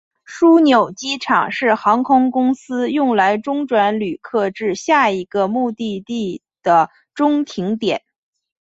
枢纽机场是航空公司用来中转旅客至下一个目的地的中停点。